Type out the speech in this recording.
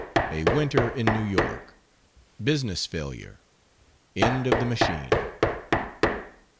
A WINTER IN NEW YORK. BUSINESS FAILURE. END OF THE MACHINE.